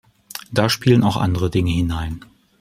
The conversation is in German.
Da spielen auch andere Dinge hinein.